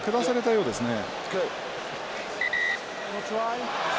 そうですね。